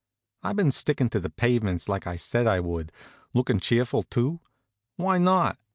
I've been stickin' to the pavements, like I said I would. Lookin' cheerful, too? Why not?